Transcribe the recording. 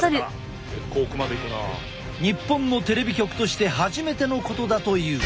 日本のテレビ局として初めてのことだという。